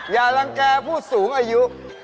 อย่ารังแก่ผู้สูงอายุ